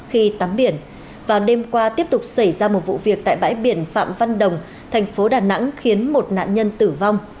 khi tắm biển vào đêm qua tiếp tục xảy ra một vụ việc tại bãi biển phạm văn đồng thành phố đà nẵng khiến một nạn nhân tử vong